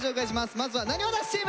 まずはなにわ男子チーム。